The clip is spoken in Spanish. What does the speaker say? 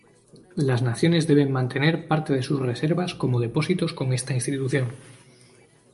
Las naciones deben mantener parte de sus reservas como depósitos con esta institución.